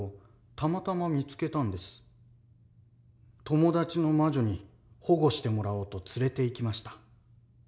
友達の魔女に保護してもらおうと連れていきました。